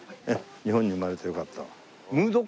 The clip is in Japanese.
『日本に生まれてよかった』。